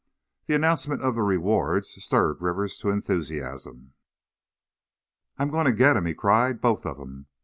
The announcement of the rewards stirred Rivers to enthusiasm. "I'm going to get 'em!" he cried; "both of 'em!